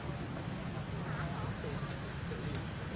โปรดติดตามต่อไป